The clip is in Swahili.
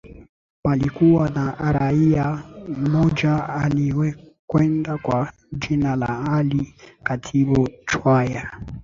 Palikuwa na raia mmoja aliyekwenda kwa jina la Ali Khatibu Chwaya